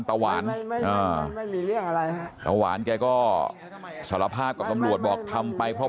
ตะวันไม่มีเรียกอะไรตะวันแกก็สารภาพกับอำรวจบอกทำไปเพราะ